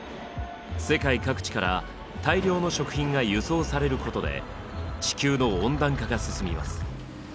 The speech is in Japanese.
世界各地から大量の食品が輸送されることで地球の温暖化が進みます。